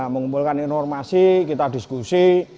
mengumpulkan informasi kita diskusi